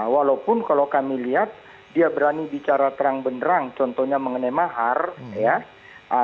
walaupun kalau kami lihat dia berani bicara terang benerang contohnya mengenai mahar ya